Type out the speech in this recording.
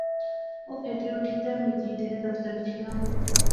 او پھیدری اُٹھی تے مجیدے نے دفترے وچ گیا